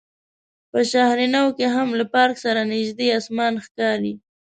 په شهر نو کې هم له پارک سره نژدې اسمان ښکاري.